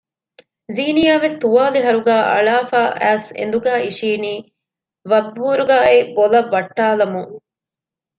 ޒިނިޔާވެސް ތުވާލި ހަރުގައި އަޅާފައި އައިސް އެނދުގައި އިށިއިނީ ވަށްބުރުގާއެއް ބޮލަށް ވައްޓާލަމުން